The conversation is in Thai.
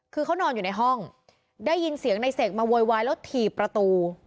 คือเขานอนอยู่ในห้องได้ยินเสียงในเสกมาโวยวายแล้วถีบประตู